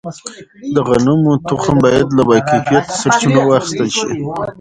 د غنمو تخم باید له باکیفیته سرچینو واخیستل شي.